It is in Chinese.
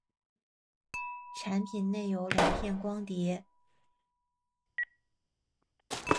产品内有两片光碟。